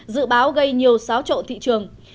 dự báo gây nhiều xáo trộn thị trường